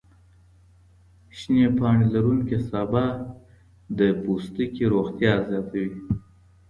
شنې پاڼې لروونکي سابه د پوستکي روغتیا زیاتوي.